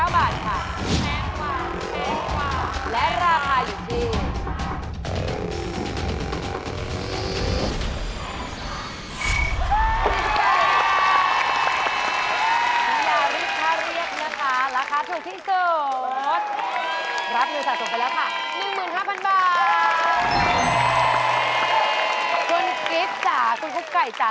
แพงกว่า